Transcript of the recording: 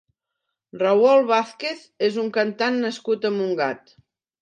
Raoul Vázquez és un cantant nascut a Montgat.